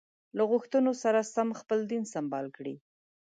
له غوښتنو سره سم خپل دین سمبال کړي.